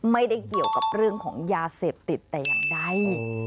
ไม่ได้เกี่ยวกับเรื่องของยาเสพติดแต่อย่างใด